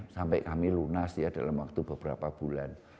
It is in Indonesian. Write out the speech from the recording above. sampai kami lunas ya dalam waktu beberapa bulan